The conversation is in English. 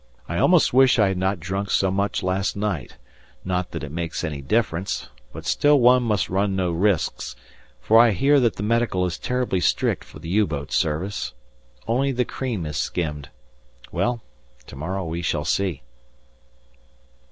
I almost wish I had not drunk so much last night, not that it makes any difference, but still one must run no risks, for I hear that the medical is terribly strict for the U boat service. Only the cream is skimmed! Well, to morrow we shall see.